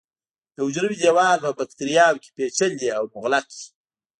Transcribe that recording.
د حجروي دیوال په باکتریاوو کې پېچلی او مغلق وي.